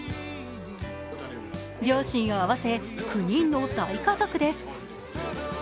両親を合わせ９人の大家族です。